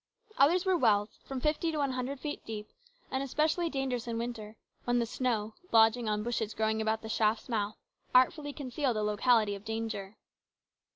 Others were wells, from fifty to one hundred feet deep, and especially dangerous in winter, when the snow, lodging on bushes growing about the shaft's mouth, artfully concealed the locality of danger.